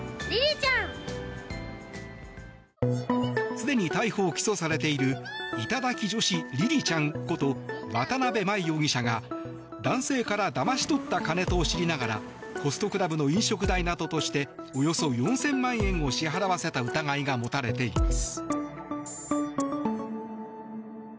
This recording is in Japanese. すでに逮捕・起訴されている頂き女子りりちゃんこと渡邊真衣容疑者が男性からだまし取った金と知りながらホストクラブの飲食代などとしておよそ４０００万円を支払わせた疑いが持たれています。